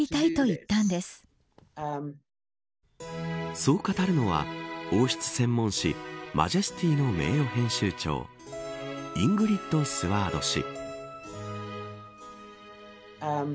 そう語るのは王室専門誌マジェスティの名誉編集長イングリッド・スワード氏。